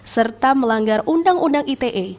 serta melanggar undang undang ite